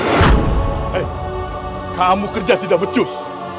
hei kamu kerja tidak becus